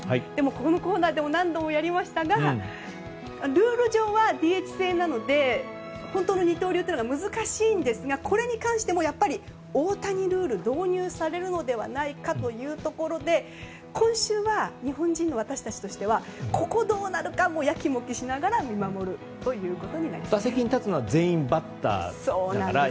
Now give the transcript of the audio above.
このコーナーでも何度もやりましたがルール上はＤＨ制なので本当の二刀流というのが難しいんですがこれに関しても大谷ルール導入されるのではないかというところで今週は日本人の私たちとしてはここ、どうなるかやきもきしながら見守るということになりそうです。